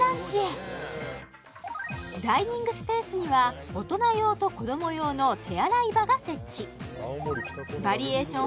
ダイニングスペースには大人用と子ども用の手洗い場が設置バリエーション